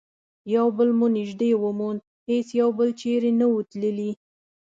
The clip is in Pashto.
یو بل مو نژدې وموند، هیڅ یو بل چیري نه وو تللي.